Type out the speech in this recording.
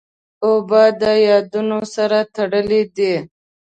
اوبه د یادونو سره تړلې دي.